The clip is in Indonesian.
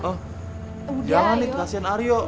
oh jangan nih kasian aryo